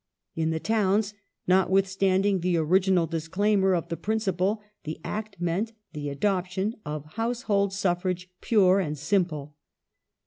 In the towns, notwith standing the original disclaimer of the principle, the Act meant the adoption of " household suffrage pure and simple